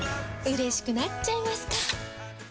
うれしくなっちゃいますか！